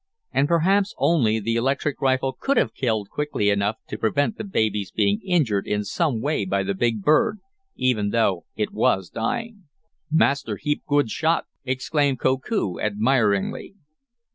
And perhaps only the electric rifle could have killed quickly enough to prevent the baby's being injured in some way by the big bird, even though it was dying. "Master heap good shot!" exclaimed Koku, admiringly.